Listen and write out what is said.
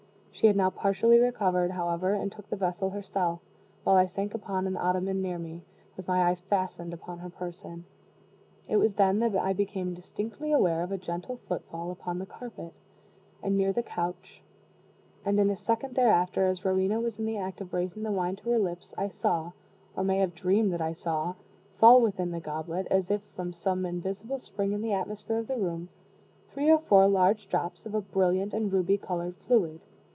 She had now partially recovered, however, and took the vessel herself, while I sank upon an ottoman near me, with my eyes fastened upon her person. It was then that I became distinctly aware of a gentle footfall upon the carpet, and near the couch; and in a second thereafter, as Rowena was in the act of raising the wine to her lips, I saw, or may have dreamed that I saw, fall within the goblet, as if from some invisible spring in the atmosphere of the room, three or four large drops of a brilliant and ruby colored fluid.